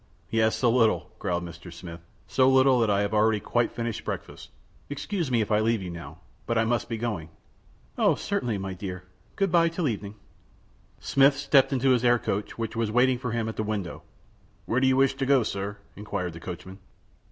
"Yes, a little," growled Mr. Smith; "so little that I have already quite finished breakfast. Excuse me if I leave you now, but I must be going." "O certainly, my dear; good by till evening." Smith stepped into his air coach, which was in waiting for him at a window. "Where do you wish to go, sir?" inquired the coachman.